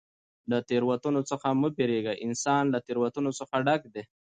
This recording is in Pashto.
له تېروتنو څخه مه بېرېږه! انسان له تېروتنو څخه ډګ دئ.